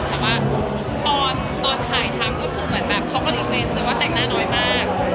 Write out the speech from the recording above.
แต่ว่าตอนถ่ายทำก็คือเหมือนแบบเขาก็รีเฟสเลยว่าแต่งหน้าน้อยมาก